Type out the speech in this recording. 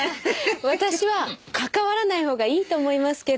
私は関わらないほうがいいと思いますけど。